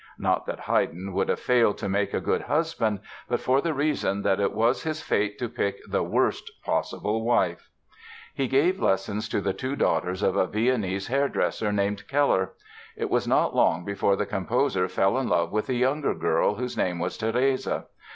Not that Haydn would have failed to make a good husband, but for the reason that it was his fate to pick the worst possible wife. He gave lessons to the two daughters of a Viennese hairdresser named Keller. It was not long before the composer fell in love with the younger girl, whose name was Therese.